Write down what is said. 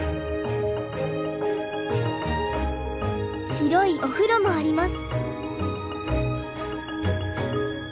広いお風呂もあります。